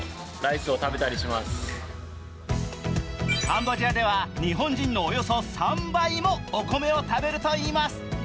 カンボジアでは、日本人のおよそ３倍もお米を食べるといいます。